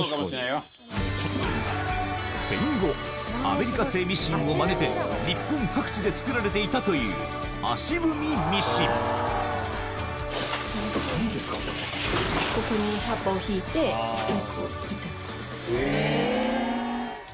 戦後アメリカ製ミシンをまねて日本各地で作られていたというへぇ。